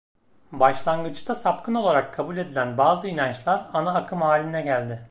Başlangıçta sapkın olarak kabul edilen bazı inançlar ana akım haline geldi.